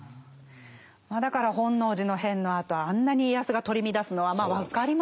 だから本能寺の変のあとあんなに家康が取り乱すのはまあ分かりますよね。